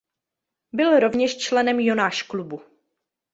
Byl rovněž členem Jonáš klubu.